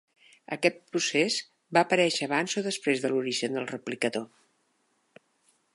Aquest procés va aparèixer abans o després de l'origen del replicador?